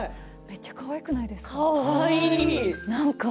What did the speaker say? めっちゃかわいくないですか？